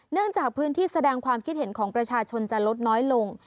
จากพื้นที่แสดงความคิดเห็นของประชาชนจะลดน้อยลง